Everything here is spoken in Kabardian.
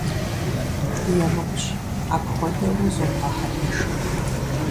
Емыкӏущ, апхуэдэурэ зумыгъэхьэлыншэ.